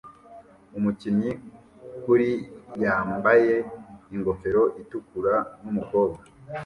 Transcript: Umukinnyi kuri yambaye ingofero itukura numukobwa